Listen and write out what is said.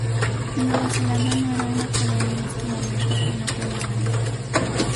Nueva Zelanda no era una colonia en ese momento y no tenía bandera.